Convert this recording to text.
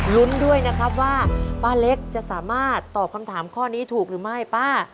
รุ้นด้วยนะครับว่าป้าเล็กจะสามารถตอบคำถามข้อนี้ถูกหรือไม่ป้า